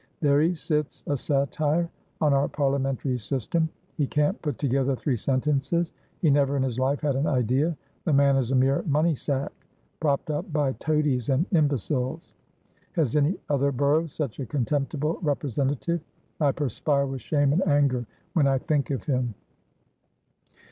There he sits, a satire on our parliamentary system. He can't put together three sentences; he never in his life had an idea. The man is a mere money sack, propped up by toadies and imbeciles. Has any other borough such a contemptible representative? I perspire with shame and anger when I think of him!"